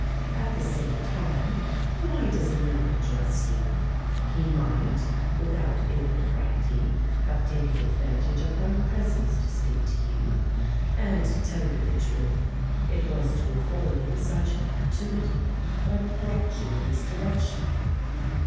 At the same time, why does he not address you? He might, without impropriety, have taken advantage of my presence to speak to you; and, to tell you the truth, it was to afford him such an opportunity that I brought you in this direction."